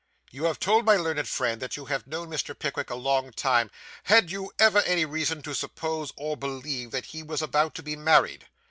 'You have told my learned friend that you have known Mr. Pickwick a long time. Had you ever any reason to suppose or believe that he was about to be married?